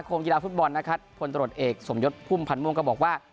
โครงกีฬาฟุตบอลนะครับพลตรวจเอกสมยศภุมภ์พลันมวงต์ก็บอกว่า